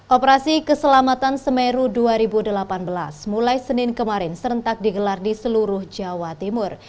operasi keselamatan semeru dua ribu delapan belas mulai senin kemarin serentak digelar di seluruh jawa timur